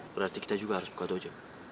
berarti kita juga harus buka tojo